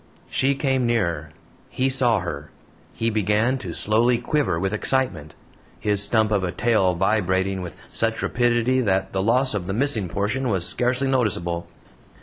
She came nearer; he saw her; he began to slowly quiver with excitement his stump of a tail vibrating with such rapidity that the loss of the missing portion was scarcely noticeable.